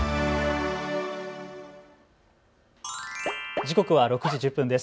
時刻は６時１０分です。